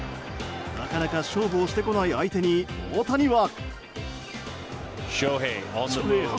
なかなか勝負をしてこない相手に大谷は。